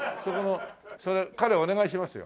彼お願いしますよ。